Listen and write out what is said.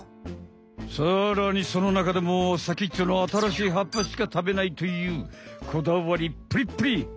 さらにそのなかでも先っちょのあたらしいはっぱしかたべないというこだわりっぷりぷり！